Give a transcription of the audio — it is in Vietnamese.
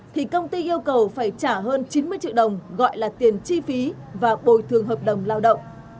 thì công ty yêu cầu phải trả hơn chín mươi triệu đồng gọi là tiền chi phí và bồi thường hợp đồng lao động